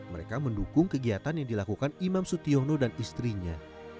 mereka mendukung kegiatan yang dilakukan imam sutyono dan istrinya